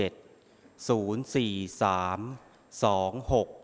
ต้อง